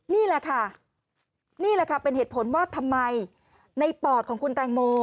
นี่แหละค่ะนี่แหละค่ะเป็นเหตุผลว่าทำไมในปอดของคุณแตงโม